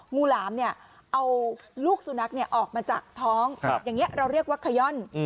หลามเนี่ยเอาลูกสุนัขออกมาจากท้องอย่างนี้เราเรียกว่าขย่อน